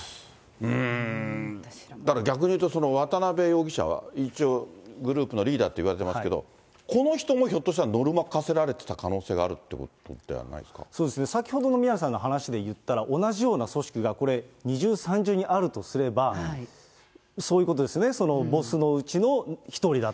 うーん、だから逆に言うと、渡辺容疑者は、一応グループのリーダーといわれてますけど、この人もひょっとしたらノルマ課せられてた可能性があるというこそうですね、先ほどの宮根さんの話でいったら、同じような組織がこれ、二重、三重にあるとすれば、そういうことですね、ボスのうちの１人だと。